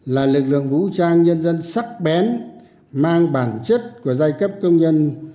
là lực lượng vũ trang nhân dân sắc bén mang bản chất của giai cấp công nhân